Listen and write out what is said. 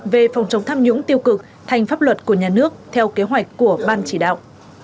về phòng chống tham nhũng tiêu cực thành pháp luật của nhà nước theo kế hoạch của ban chỉ đạo